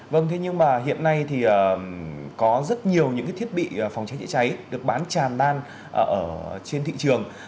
vâng thế nhưng mà hiện nay thì có rất nhiều những thiết bị phòng cháy chữa cháy được bán tràn lan trên thị trường